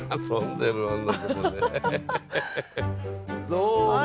どうも。